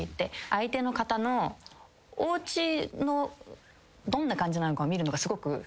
相手の方のおうちのどんな感じなのかを見るのがすごく好きで。